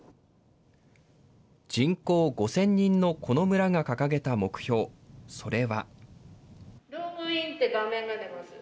人口５０００人のこの村が掲げた目標、それは。